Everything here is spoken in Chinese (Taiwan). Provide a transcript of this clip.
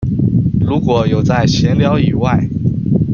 如果有在閒聊以外